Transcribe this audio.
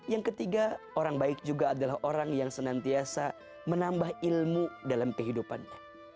yang ketiga orang baik juga adalah orang yang senantiasa menambah ilmu dalam kehidupannya